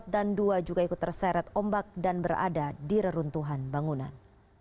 empat dan dua juga ikut terseret ombak dan berada di reruntuhan bangunan